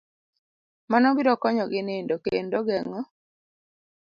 Mano biro konyogi nindo kendo geng'o